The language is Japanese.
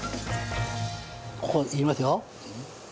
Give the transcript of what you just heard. ここ入れますよ。